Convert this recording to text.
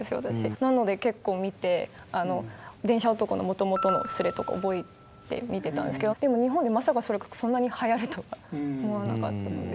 なので結構見て「電車男」のもともとのスレとか覚えて見てたんですけどでも日本でまさかそれがそんなにはやるとは思わなかったので。